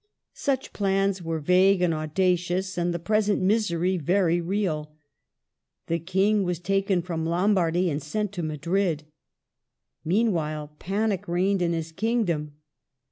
Such plans were vague and audacious, and the present misery very real. The King was taken from Lombardy and sent to Madrid. Meanwhile panic reigned in his kingdom.